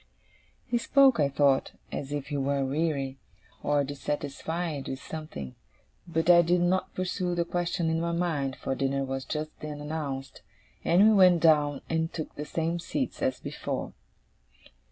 He spoke, I thought, as if he were weary, or dissatisfied with something; but I did not pursue the question in my mind, for dinner was just then announced, and we went down and took the same seats as before.